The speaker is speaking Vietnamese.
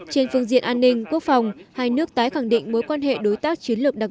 trên phương diện an ninh quốc phòng hai nước tái khẳng định mối quan hệ đối tác chiến lược đặc